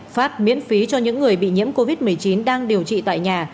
phát miễn phí cho những người bị nhiễm covid một mươi chín đang điều trị tại nhà